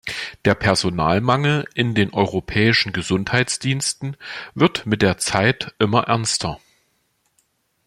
Der Personalmangel in den europäischen Gesundheitsdiensten wird mit der Zeit immer ernster.